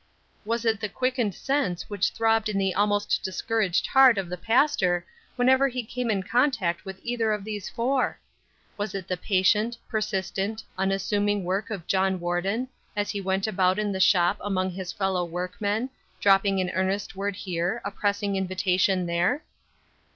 Was it the quickened sense which throbbed in the almost discouraged heart of the pastor whenever he came in contact with either of these four? Was it the patient, persistent, unassuming work of John Warden as he went about in the shop among his fellow workmen, dropping an earnest word here, a pressing invitation there?